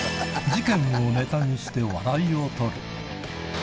事件をネタにして笑いをとる。